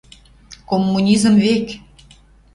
коммунизм век.